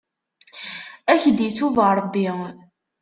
Ad k-itub Ṛebbi.